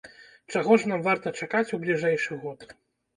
Чаго ж нам варта чакаць у бліжэйшы год?